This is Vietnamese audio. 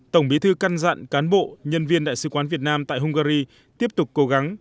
tổng bí thư căn dặn cán bộ nhân viên đại sứ quán việt nam tại hungary tiếp tục cố gắng